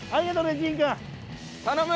頼む！